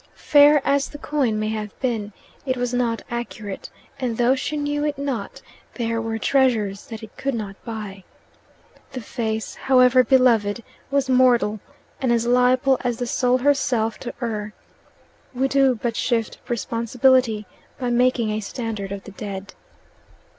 Fair as the coin may have been, it was not accurate; and though she knew it not, there were treasures that it could not buy. The face, however beloved, was mortal, and as liable as the soul herself to err. We do but shift responsibility by making a standard of the dead.